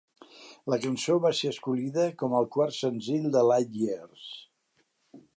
La cançó va ser escollida com el quart senzill de Light Years.